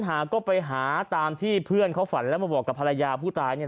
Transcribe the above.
หาก็ไปหาตามที่เพื่อนเขาฝันแล้วมาบอกกับภรรยาผู้ตายเนี่ย